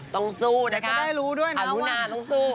ต้องสู้นะคะอรุณาต้องสู้